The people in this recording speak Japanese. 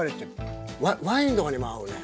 ワインとかにも合うね。